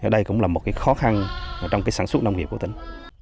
đây cũng là một khó khăn trong sản xuất nông nghiệp của tỉnh